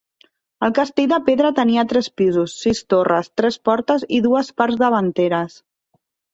El castell de pedra tenia tres pisos, sis torres, tres portes i dues parts davanteres.